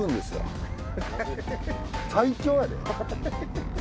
最強やで。